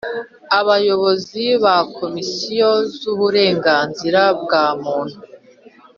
Abayobozi ba za Komisiyo zuburenganzira bw’muntu.